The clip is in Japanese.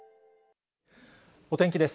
お天気です。